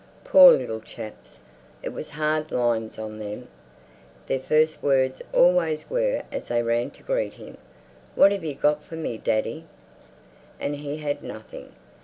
Poor little chaps! It was hard lines on them. Their first words always were as they ran to greet him, "What have you got for me, daddy?" and he had nothing.